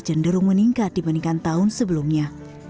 cenderung meningkat dibandingkan tahun sebelumnya